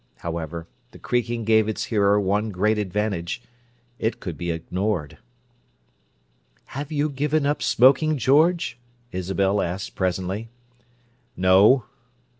However, the creaking gave its hearer one great advantage: it could be ignored. "Have you given up smoking, George?" Isabel asked presently. "No."